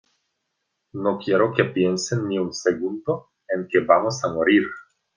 no quiero que piensen ni un segundo en que vamos a morir.